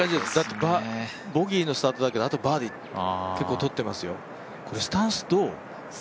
ボギーのスタートだけどバーディー結構とってますよ、これスタンスどう？